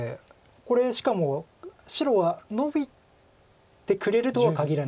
これしかも白はノビてくれるとはかぎらないです。